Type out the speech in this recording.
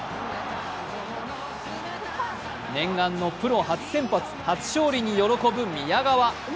念願のプロ初先発初勝利に喜ぶ宮川。